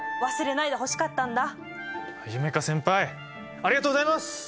ありがとうございます！